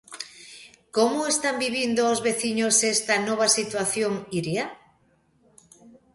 ¿Como están vivindo os veciños esta nova situación, Iria?